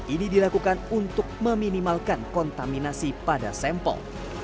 ini dilakukan untuk meminimalkan kontaminasi pada sampel